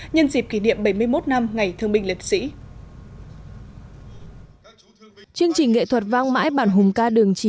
nhân dịp kỷ niệm bảy mươi một năm ngày thương binh liệt sĩ chương trình nghệ thuật vang mãi bản hùng ca đường chín